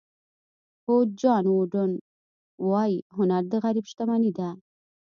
کوچ جان ووډن وایي هنر د غریب شتمني ده.